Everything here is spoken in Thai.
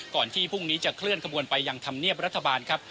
ที่พรุ่งนี้จะเคลื่อนขบวนไปยังธรรมเนียบรัฐบาลครับ